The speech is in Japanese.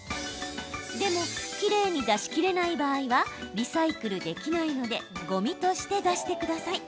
でも、きれいに出しきれない場合はリサイクルできないのでごみとして出してください。